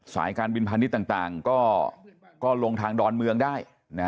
สายการบินพาณิชย์ต่างก็ลงทางดอนเมืองได้